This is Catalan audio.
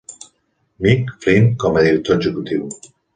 "Mick" Flint com a director executiu.